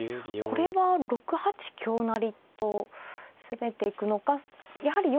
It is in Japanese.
これは６八香成と攻めていくのかやはり４五歩と一度は。